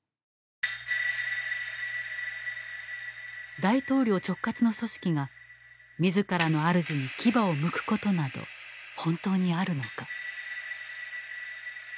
大統領直轄の組織が自らの主に牙をむくことなど本当にあるのか。